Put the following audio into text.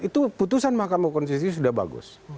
itu putusan mahkamah konstitusi sudah bagus